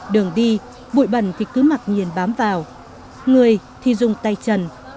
đường đi bụi bẩn thì cứ mặc nhiên bám vào người thì dùng tay trần